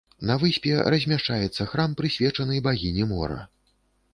На выспе размяшчаецца храм, прысвечаны багіні мора.